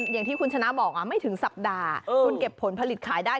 อย่างที่คุณชนะบอกไม่ถึงสัปดาห์คุณเก็บผลผลิตขายได้